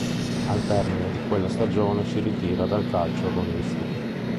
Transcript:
Al termine di quella stagione si ritira dal calcio agonistico.